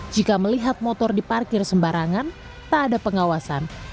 jika melihat motor diparkir sembarangan tak ada pengawasan